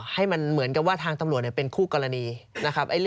ให้มันเหมือนกับว่าทางตำรวจเป็นคู่กรณีนะครับ